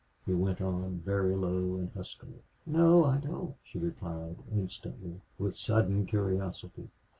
he went on, very low and huskily. "No, I don't," she replied, instantly, with sudden curiosity.